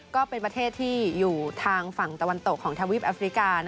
ก็เป็นประเทศที่อยู่ทางฝั่งตะวันตกของทวีปแอฟริกา